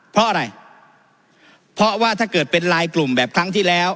เพราะอะไรเพราะว่าถ้าเกิดเป็นลายกลุ่มแบบครั้งที่แล้ว